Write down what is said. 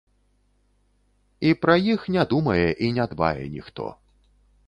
І пра іх не думае і не дбае ніхто.